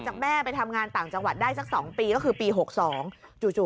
จากแม่ไปทำงานต่างจังหวัดได้สักสองปีก็คือปีหกสองจู่